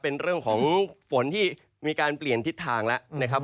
เป็นเรื่องของฝนที่มีการเปลี่ยนทิศทางแล้วนะครับ